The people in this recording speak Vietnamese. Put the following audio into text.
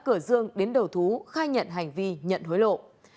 trần văn việt đã đưa tổng cộng đến đầu thú khai nhận hành vi nhận hối lộ